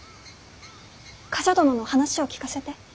冠者殿の話を聞かせて。